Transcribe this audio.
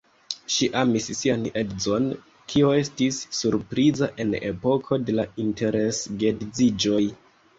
Ŝi amis sian edzon, kio estis surpriza en epoko de la interes-geedziĝoj.